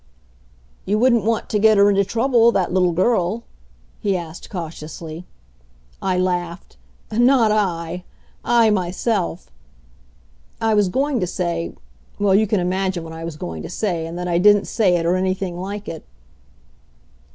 "You wouldn't want to get her into trouble that little girl?" he asked cautiously. I laughed. "Not I. I myself " I was going to say well, you can imagine what I was going to say, and that I didn't say it or anything like it.